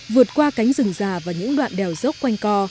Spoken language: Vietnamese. vượt qua cánh rừng già và những đoạn đèo dốc quanh co